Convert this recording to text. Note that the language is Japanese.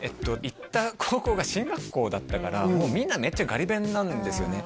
行った高校が進学校だったからみんなめっちゃガリ勉なんですよね